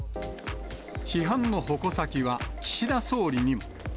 批判の矛先は、岸田総理にも。